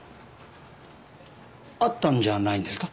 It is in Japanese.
会ったんじゃないんですか？